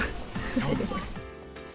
そうですか。